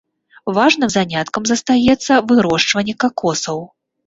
Важным заняткам застаецца вырошчванне какосаў.